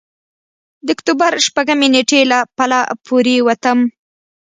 د اکتوبر شپږمې نېټې له پله پورېوتم.